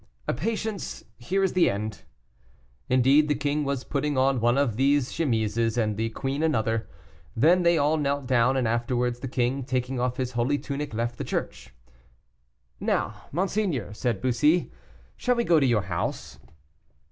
"Patience, here is the end." Indeed, the king was putting on one of these chemises, and the queen another. Then they all knelt down, and afterwards the king, taking off his holy tunic, left the church. "Now, monseigneur," said Bussy, "shall we go to your house?"